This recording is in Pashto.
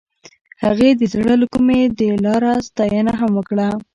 هغې د زړه له کومې د لاره ستاینه هم وکړه.